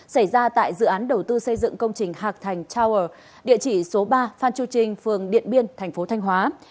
xảy ra tại dự án đầu tư xây dựng công trình hạc thành tower địa chỉ số ba phan chu trinh phường điện biên thành phố thanh hóa